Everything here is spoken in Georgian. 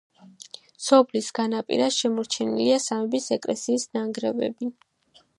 სოფლის განაპირას შემორჩენილია სამების ეკლესიის ნანგრევები.